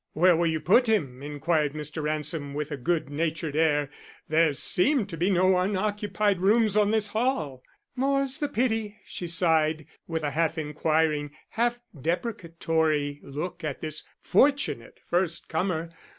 "Where will you put him?" inquired Mr. Ransom with a good natured air. "There seem to be no unoccupied rooms on this hall." "More's the pity," she sighed, with a half inquiring, half deprecatory look at this fortunate first comer.